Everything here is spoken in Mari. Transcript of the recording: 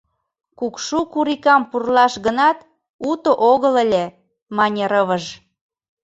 — Кукшу курикам пурлаш гынат, уто огыл ыле, — мане рывыж.